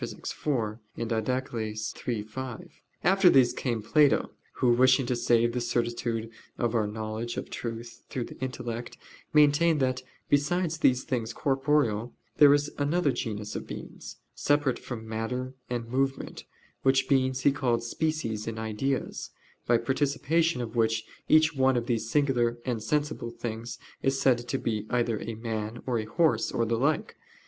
iv, Did. iii, 5). After these came Plato, who, wishing to save the certitude of our knowledge of truth through the intellect, maintained that, besides these things corporeal, there is another genus of beings, separate from matter and movement, which beings he called species or "ideas," by participation of which each one of these singular and sensible things is said to be either a man, or a horse, or the like.